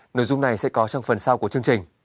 nội dung này sẽ có trong phần sau của chương trình